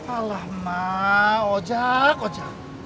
alah mak ojak ojak